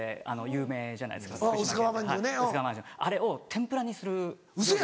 あれを天ぷらにする料理が。